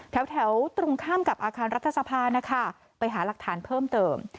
แถวตรงข้ามกับอาคารรัฐสภานะคะไปหาหลักฐานเพิ่มเติม